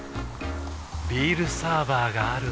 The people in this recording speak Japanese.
ビールサーバーがある夏。